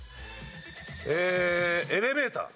えーエレベーター。